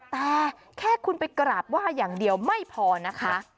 แต่แค่คุณไปกราบไหว้อย่างเดียวไม่พอนะคะ